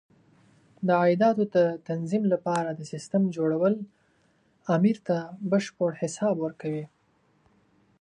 د عایداتو د تنظیم لپاره د سیسټم جوړول امیر ته بشپړ حساب ورکوي.